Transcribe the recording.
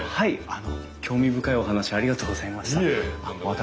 あの興味深いお話ありがとうございました。